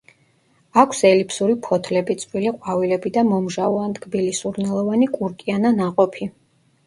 აქვს ელიფსური ფოთლები, წვრილი ყვავილები და მომჟავო ან ტკბილი სურნელოვანი კურკიანა ნაყოფი.